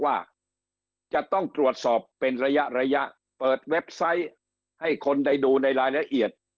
ว่าจะต้องตรวจสอบเป็นระยะระยะเปิดเว็บไซต์ให้คนได้ดูในรายละเอียด